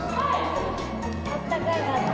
あったかかった。